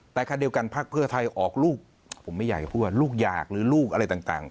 แต่คันเดียวกันพักเพื่อไทยออกลูกผมไม่อยากจะพูดว่าลูกอยากหรือลูกอะไรต่าง